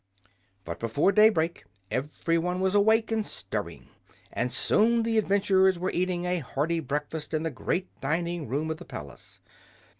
But before daybreak every one was awake and stirring, and soon the adventurers were eating a hasty breakfast in the great dining room of the palace.